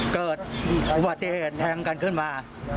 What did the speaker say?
เกิดอุบัติเหตุแทงกันขึ้นมา